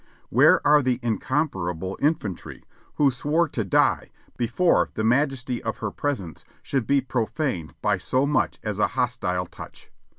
Where are the incomparable infantry who swore to die before the majesty of her presence should be profaned by so much as a hostile touch?